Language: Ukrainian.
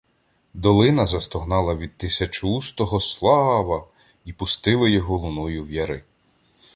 Долина застогнала від тисячоустого "Сла-ва-а!" і пустила його луною в яри.